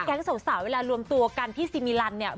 แก๊งสองสาวเวลาร่วมตัวกันที่ซีมีลันเนี้ยะ